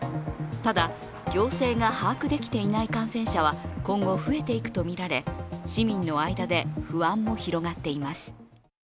ただ、行政が把握できていない感染者は今後増えていくとみられ市民の間で不安も広がっています。